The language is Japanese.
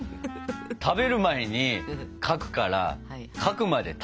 食べる前に描くから描くまで食べるな。